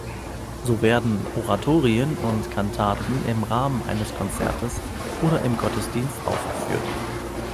So werden Oratorien und Kantaten im Rahmen eines Konzertes oder im Gottesdienst aufgeführt.